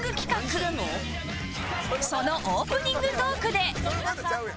そのオープニングトークで